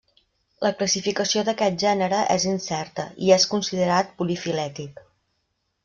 La classificació d'aquest gènere és incerta i és considerat polifilètic.